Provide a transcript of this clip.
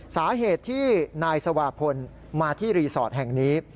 สาเหตุที่นายสวาพลมาที่รีสอร์ทแห่งนี้